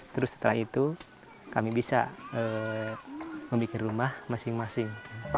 terus setelah itu kami bisa membuat rumah masing masing